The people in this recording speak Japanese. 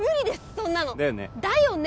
そんなのだよね